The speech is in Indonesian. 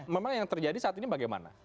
memang yang terjadi saat ini bagaimana